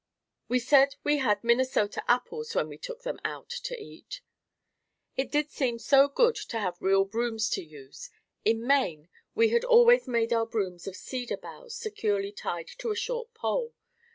We said we had "Minnesota apples" when we took them out to eat. It did seem so good to have real brooms to use. In Maine, we had always made our brooms of cedar boughs securely tied to a short pole.